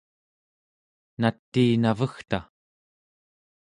natii navegta?